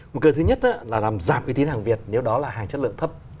một cơ thứ nhất là làm giảm uy tín hàng việt nếu đó là hàng chất lượng thấp